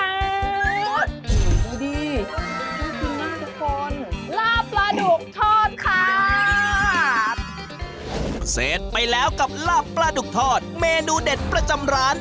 แป๊บดูดิต้องกินมากทุกคนลาปลาดุกทอดค่าเสร็จไปแล้วกับลาปลาดุกทอดเมนูเด็ดประจำร้าน